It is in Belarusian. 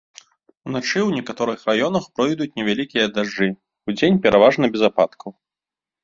Уначы ў некаторых раёнах пройдуць невялікія дажджы, удзень пераважна без ападкаў.